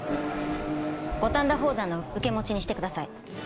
五反田宝山の受け持ちにしてください。